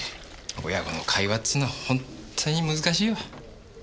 親子の会話っつうのはホントに難しいよ。